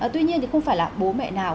tuy nhiên thì không phải là bố mẹ nào